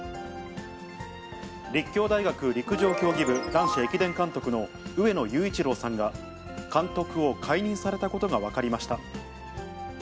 立教大学陸上競技部男子駅伝監督の上野裕一郎さんが、監督を解任されたことが分かりました。